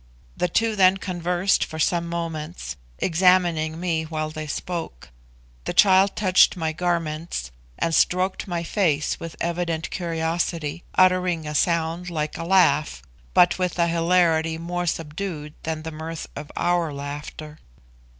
The two then conversed for some moments, examining me while they spoke. The child touched my garments, and stroked my face with evident curiosity, uttering a sound like a laugh, but with an hilarity more subdued that the mirth of our laughter.